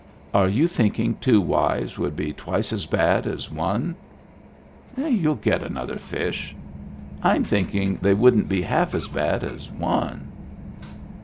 Are you thinking two wives would be twice as bad as one ?" "You'll get another fish. I'm thinking they wouldn't be half as bad as one."